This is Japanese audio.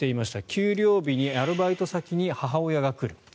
給料日にアルバイト先に母親が来る。